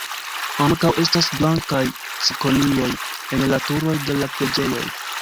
Ankaŭ estas blankaj cikonioj en la turoj de la preĝejoj.